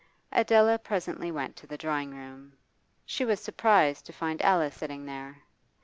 Adela presently went to the drawing room. She was surprised to find Alice sitting there.